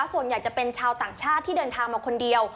ส่วนใหญ่จะเป็นชาวต่างชาติที่เดินทางมาคนเดียว